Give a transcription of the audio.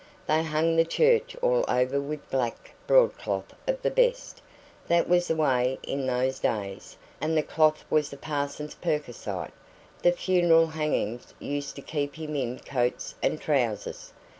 They hung the church all over with black broadcloth of the best. That was the way in those days, and the cloth was the parson's perquisite. The funeral hangings used to keep him in coats and trousers.